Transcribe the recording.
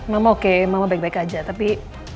mama oke mama baik baik aja tapi